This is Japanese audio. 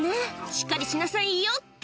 しっかりしなさいよっと」